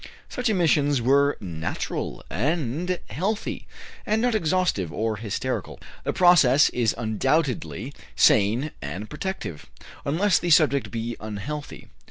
Such emissions were natural and healthy, and not exhaustive or hysterical. The process is undoubtedly sane and protective, unless the subject be unhealthy.